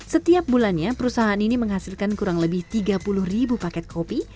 setiap bulannya perusahaan ini menghasilkan kurang lebih tiga puluh ribu paket kopi